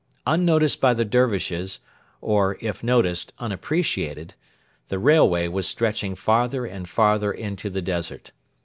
Unnoticed by the Dervishes, or, if noticed, unappreciated, the railway was stretching farther and farther into the desert.